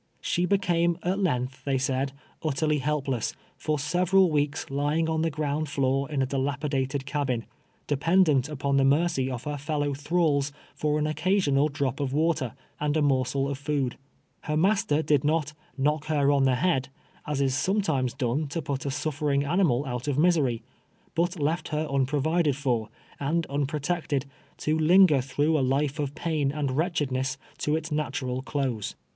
She hecanu' at kMii^ tli, tlicy said, utterly heliiless, for several weeks lyini^ on the ground floor in a dilajiida ted cabin, dependent uj)on the mercy of her fellow thralls tor an occasional drop of water, aiul a morsel of fond. IK r nuister did not "knock lier on the head, ' as is sometimes done to put a sulferinii; animal out of miseiy, but left her unprovided for, and unpro tected, to linger through a life of pain and wretched ness to its mitural close.